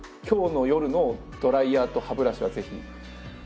今日の夜のドライヤーと歯ブラシはぜひ。